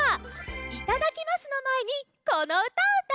いただきますのまえにこのうたをうたいましょう！